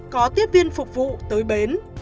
có tiếp viên phục vụ tới bến